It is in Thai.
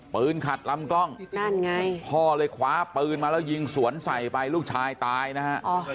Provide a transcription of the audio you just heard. ขัดลำกล้องนั่นไงพ่อเลยคว้าปืนมาแล้วยิงสวนใส่ไปลูกชายตายนะฮะ